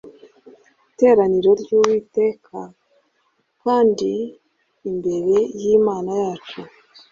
teraniro ry uwiteka kandi imbere y imana yacu